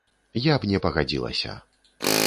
Я б не пагадзілася.